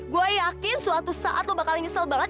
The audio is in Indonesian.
gue yakin suatu saat lo bakalan nyesel banget